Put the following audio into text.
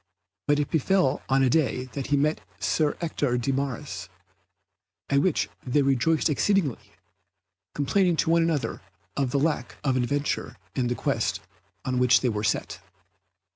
But it befell on a day that he met Sir Ector de Maris, at which they rejoiced exceedingly, complaining to one another of the lack of adventure in the quest on which they were set.